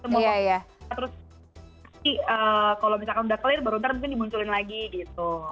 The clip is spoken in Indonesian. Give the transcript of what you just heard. terus kalau misalkan udah clear baru ntar mungkin dimunculin lagi gitu